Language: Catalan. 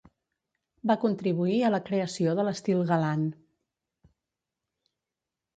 Va contribuir a la creació de l'estil galant.